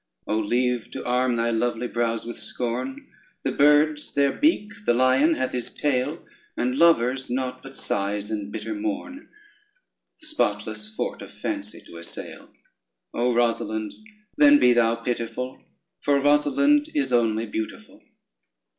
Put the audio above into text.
Oh, leave to arm thy lovely brows with scorn: The birds their beak, the lion hath his tail, And lovers nought but sighs and bitter mourn, The spotless fort of fancy to assail. O Rosalynde, then be thou pitiful, For Rosalynde is only beautiful.